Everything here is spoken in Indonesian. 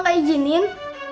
kenapa bapak ga izinin